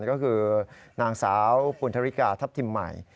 ก็คือนางสาวปุณธริกาทัพทิมใหม่